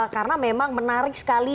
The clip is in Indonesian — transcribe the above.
karena memang menarik sekali